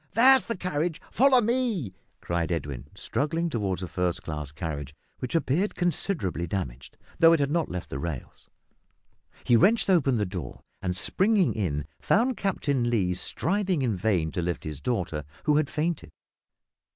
that's the carriage, follow me," cried Edwin, struggling towards a first class carriage, which appeared considerably damaged, though it had not left the rails. He wrenched open the door, and, springing in, found Captain Lee striving in vain to lift his daughter, who had fainted.